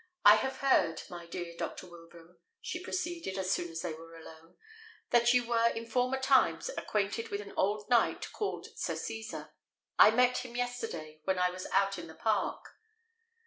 "I have heard, my dear Dr. Wilbraham," she proceeded, as soon as they were alone, "that you were in former times acquainted with an old knight called Sir Cesar. I met him yesterday when I was out in the park."